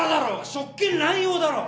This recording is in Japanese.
職権乱用だろ！